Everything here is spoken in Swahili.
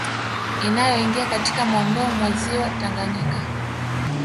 Inayoingia katika mwambao mwa Ziwa Tanganyika